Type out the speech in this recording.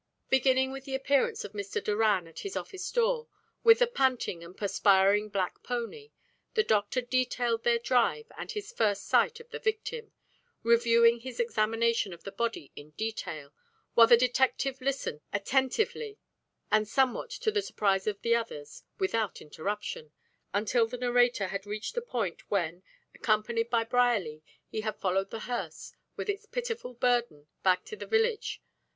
Beginning with the appearance of Mr. Doran at his office door, with the panting and perspiring black pony, the doctor detailed their drive and his first sight of the victim, reviewing his examination of the body in detail, while the detective listened attentively and somewhat to the surprise of the others, without interruption, until the narrator had reached the point when, accompanied by Brierly, he had followed the hearse, with its pitiful burden, back to the village.